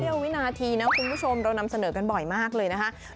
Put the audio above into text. วินาทีนะคุณผู้ชมเรานำเสนอกันบ่อยมากเลยนะคะ